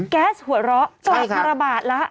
แก๊สหัวเหลาตาลระบาดละ